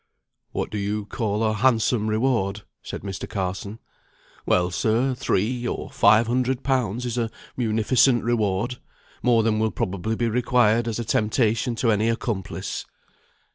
"What do you call a handsome reward?" said Mr. Carson. "Well, sir, three, or five hundred pounds is a munificent reward: more than will probably be required as a temptation to any accomplice."